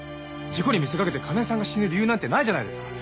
事故に見せかけて叶絵さんが死ぬ理由なんてないじゃないですか。